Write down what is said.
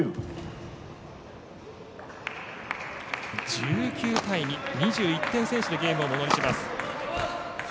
１９対２、２１点先取でゲームをものにします。